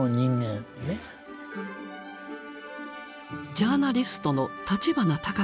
ジャーナリストの立花隆さん。